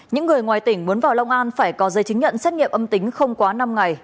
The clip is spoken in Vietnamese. những người ngoài tỉnh muốn vào long an phải có giấy chứng nhận xét nghiệm âm tính không quá năm ngày